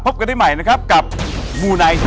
พบกันได้ใหม่นะครับกับหมู่ไหน